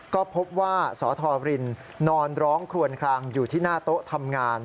ก็พบว่าสธรินนอนร้องคลวนคลางอยู่ที่หน้าโต๊ะทำงาน